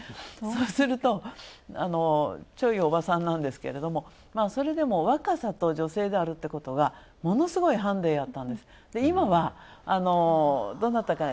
そうすると、ちょいおばさんなんですけれども。それでも若さと女性であるってことはものすごくハンデでやった。